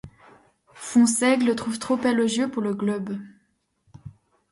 Fonsègue le trouve trop élogieux pour le Globe.